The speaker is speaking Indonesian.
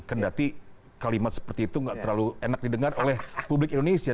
jadi kalimat seperti itu nggak terlalu enak didengar oleh publik indonesia